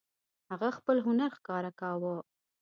هغه خپل هنر ښکاره کاوه.